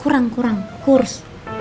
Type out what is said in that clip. kurang kurang kurs